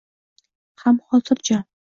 Ham xotirjam.